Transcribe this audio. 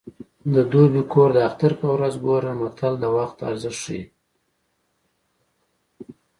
د دوبي کور د اختر په ورځ ګوره متل د وخت ارزښت ښيي